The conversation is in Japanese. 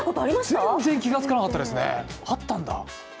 全然気が付かなかったですね、あったんだ。